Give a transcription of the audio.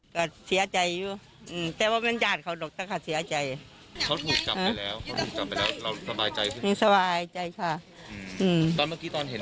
เมื่อกี้ตอนเห็นหน้าที่จะจวบลงมาความรู้สึกเรายังไงมันเกิด